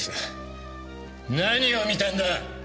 何を見たんだ？